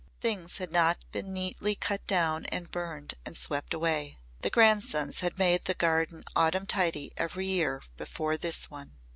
Things had not been neatly cut down and burned and swept away. The grandsons had made the garden autumn tidy every year before this one.